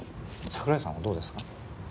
桜井さんはどうですか？